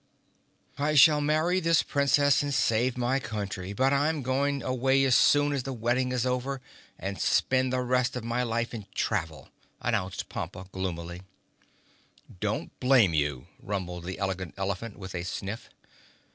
"I shall marry this Princess and save my country, but I'm going away as soon as the wedding is over and spend the rest of my life in travel," announced Pompa gloomily. "Don't blame you," rumbled the Elegant Elephant with a sniff.